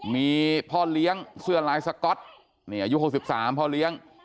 มีพ่อเลี้ยงเสื้อลายสก๊อตนี่อายุ๖๓พ่อเลี้ยง